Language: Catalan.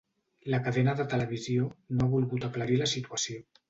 La cadena de televisió no ha volgut aclarir la situació.